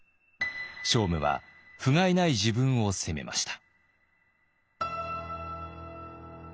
聖武はふがいない自分を責めました。